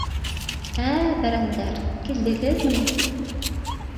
— Ә-ә-ә, бәрәндәр, килдегеҙме!